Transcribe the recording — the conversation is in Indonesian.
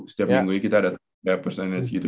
setiap minggu ini kita ada test gitu